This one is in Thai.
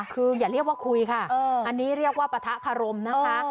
คืออย่าเรียกว่าคุยค่ะอันนี้เรียกว่าปะทะคารมนะคะ